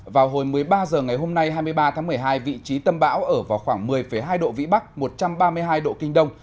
vào hồi một mươi ba h ngày hôm nay hai mươi ba tháng một mươi hai vị trí tâm bão ở vào khoảng một mươi hai độ vĩ bắc một trăm ba mươi hai độ kinh đông